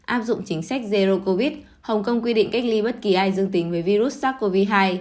áp dụng chính sách zero covid hồng kông quy định cách ly bất kỳ ai dương tính với virus sars cov hai